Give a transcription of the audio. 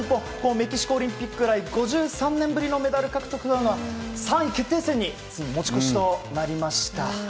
メキシコオリンピック以来５３年ぶりのメダル獲得は３位決定戦に持ち越しとなりました。